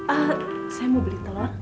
ah saya mau beli telur